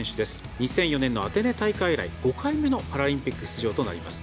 ２００４年のアテネ大会以来５回目のパラリンピック出場となります。